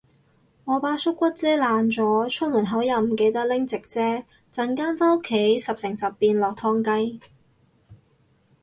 我把縮骨遮爛咗，出門口又唔記得拎直遮，陣間返屋企十成十變落湯雞